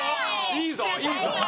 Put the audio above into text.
いいぞいいぞ！